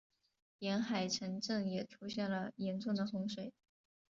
沿海城镇也出现了严重的洪水。